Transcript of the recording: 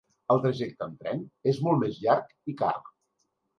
El trajecte amb tren és molt més llarg i car.